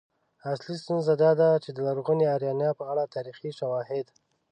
اصلی ستونزه دا ده چې د لرغونې آریانا په اړه تاریخي شواهد